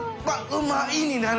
うまいになる。